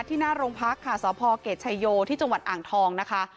หน้าโรงพักค่ะสพเกรดชายโยที่จังหวัดอ่างทองนะคะ